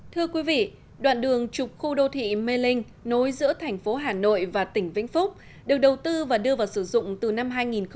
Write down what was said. thưa quý vị đoạn đường trục khu đô thị mê linh nối giữa thành phố hà nội và tỉnh vĩnh phúc được đầu tư và đưa vào sử dụng từ năm hai nghìn một mươi